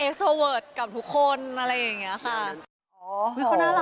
เอ็กซ์โอเวิร์ดกับทุกคนอะไรอย่างเงี้ยค่ะ